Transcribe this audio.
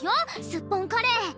すっぽんカレー。